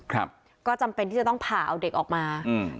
ครับก็จำเป็นที่จะต้องผ่าเอาเด็กออกมาอืม